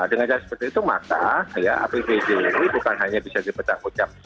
dengan cara seperti itu maka ya apbd ini bukan hanya bisa di petang ucap